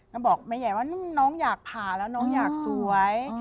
แล้วบอกแม่ใหญ่ว่าน้องอยากผ่าแล้วน้องอยากสวย